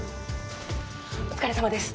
お疲れさまです